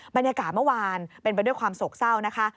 บรรยากาศเมื่อวานเป็นไปด้วยความโศกเศร้านะคะ